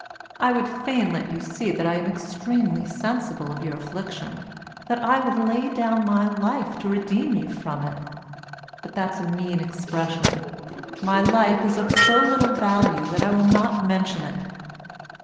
I would fain let you see that I am extremely sensible of your affliction, that I would lay down my life to redeem you from it, but that's a mean expression; my life is of so little value that I will not mention it.